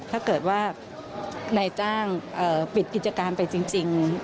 ถ้าเกิดว่านายจ้างปิดกิจการไปจริง